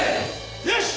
よし！